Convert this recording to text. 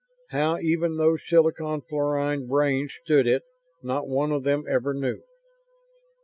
How even those silicon fluorine brains stood it, not one of them ever knew.